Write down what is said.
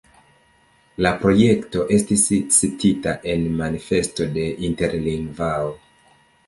La projekto estis citita en Manifesto de Interlingvao.